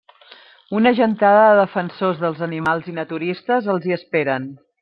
Una gentada de defensors dels animals i naturistes els hi esperen.